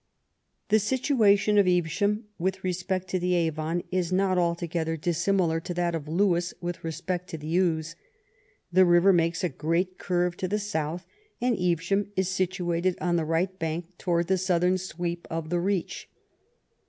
The situation of Evesham with respect to the Avon is not altogether dissimilar to that of Lewes with respect to the Ouse. The river makes a great curve to the south, and Evesham is situated on the right bank towards the southern sweep of the reach.